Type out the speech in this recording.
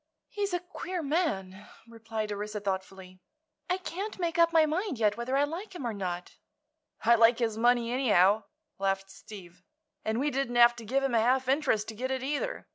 "He's a queer man," replied Orissa, thoughtfully. "I can't make up my mind yet whether I like him or not." "I like his money, anyhow," laughed Steve; "and we didn't have to give him a half interest to get it, either.